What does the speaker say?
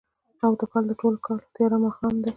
او د کال، د ټوله کال تیاره ماښام دی